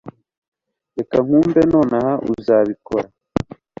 Reka nkwumve nonaha, uzabikora?